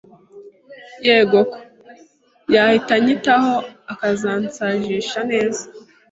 Yego koko, yahita anyitaho akazansajisha neza